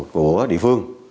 của địa phương